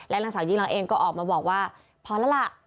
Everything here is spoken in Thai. นางสาวยิ่งรักเองก็ออกมาบอกว่าพอแล้วล่ะ